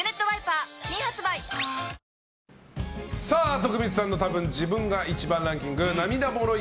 徳光さんのたぶん自分が１番ランキング涙もろい